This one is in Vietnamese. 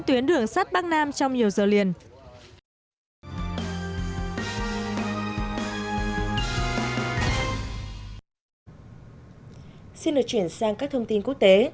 xin được chuyển sang các thông tin quốc tế